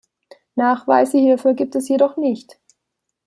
Nachweise hierfür gibt es jedoch nicht.